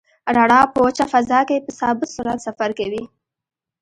رڼا په وچه فضا کې په ثابت سرعت سفر کوي.